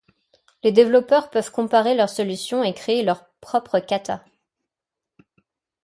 Les développeurs peuvent comparer leurs solutions et créer leurs propres kata.